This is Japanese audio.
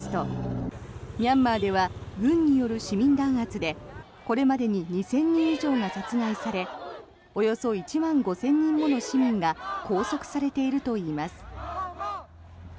ミャンマーの人権団体によりますとミャンマーでは軍による市民弾圧でこれまでに２０００人以上が殺害されおよそ１万５０００人もの市民が拘束されているといいます。